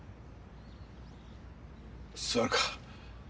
座るか？